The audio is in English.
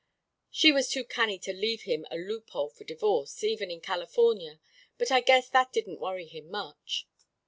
"She was too canny to leave him a loophole for divorce, even in California; but I guess that didn't worry him much.